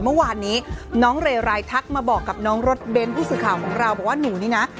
เมื่อวานนี้น้องเรไรทักมาบอกกับน้องรถเบนท์ผู้สื่อข่าวของเราบอกว่าหนูนี่นะ